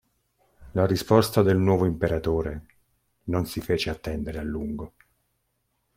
La risposta del nuovo imperatore non si fece attendere a lungo.